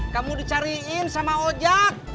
kamu dicariin sama ojak